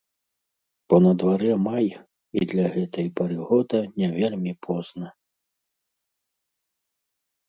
Бо на дварэ май, і для гэтай пары года не вельмі позна.